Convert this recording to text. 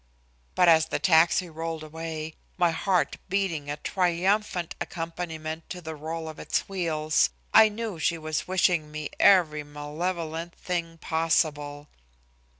But as the taxi rolled away, my heart beating a triumphant accompaniment to the roll of its wheels, I knew she was wishing me every malevolent thing possible.